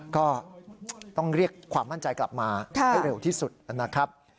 ก็ต้องเรียกความมั่นใจกลับมาให้เร็วที่สุดนะครับ